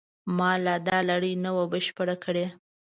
ما لا دا لړۍ نه وه بشپړه کړې.